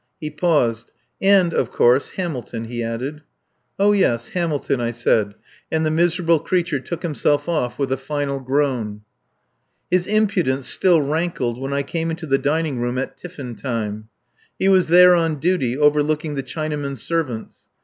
He paused. And, of course, Hamilton, he added. "Oh, yes! Hamilton," I said, and the miserable creature took himself off with a final groan. His impudence still rankled when I came into the dining room at tiffin time. He was there on duty overlooking the Chinamen servants.